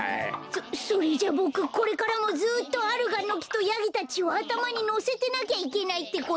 そそれじゃボクこれからもずっとアルガンのきとヤギたちをあたまにのせてなきゃいけないってこと？